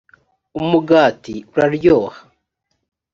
umugati uraryoha.